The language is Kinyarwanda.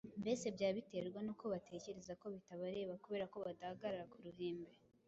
Mbese byaba biterwa n’uko batekereza ko bitabareba kubera ko badahagarara ku ruhimbi?